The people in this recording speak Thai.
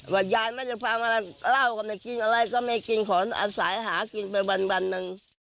ยายไม่ได้พามาเหล้าก็ไม่กินอะไรก็ไม่กินขอนอาศัยหากินไปวันหนึ่ง